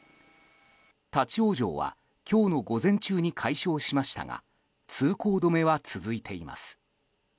立ち往生は今日の午前中に解消しましたが通行止めは続いています。